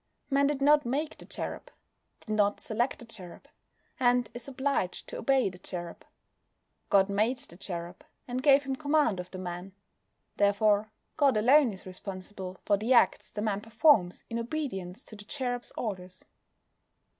Man did not make the cherub, did not select the cherub, and is obliged to obey the cherub. God made the cherub, and gave him command of the man. Therefore God alone is responsible for the acts the man performs in obedience to the cherub's orders.